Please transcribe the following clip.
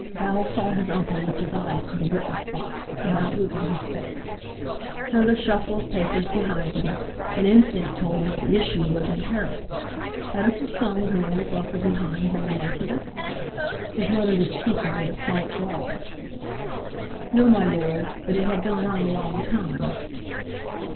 Val saw his uncle lift his eyes to the witness box, without moving his face; heard a shuffle of papers behind him; and instinct told him that the issue was in peril. Had Uncle Soames and the old buffer behind made a mess of it? His mother was speaking with a slight drawl. "No, my Lord, but it had gone on a long time."